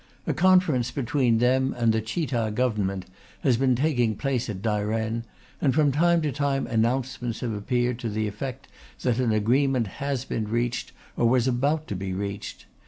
A conference between them and the Chita Government has been taking place at Dairen, and from time to time announcements have appeared to the effect that an agreement has been reached or was about to be reached.